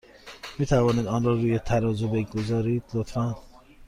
می توانید آن را روی ترازو بگذارید، لطفا؟